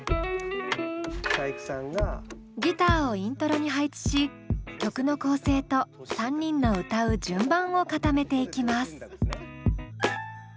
ギターをイントロに配置し曲の構成と３人の歌う順番を固めていきます。